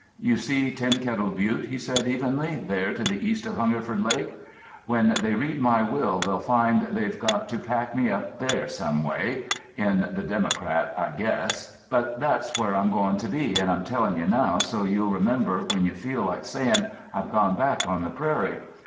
"You see Tin Kettle buttie," he said evenly, "there to the east of Hungerford Lake: when they read my will they'll find they've got to pack me up there someway—in the democrat, I guess—but that's where I'm goin' to be, and I'm tellin' you now so's you'll remember when you feel like sayin' I've gone back on the prairie.